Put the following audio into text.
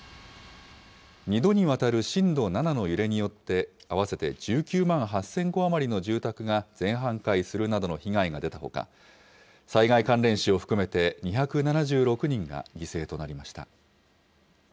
２度にわたる震度７の揺れによって、合わせて１９万８０００戸余りの住宅が全半壊するなどの被害が出たほか、災害関連死を含めて２７６人が犠牲となりました。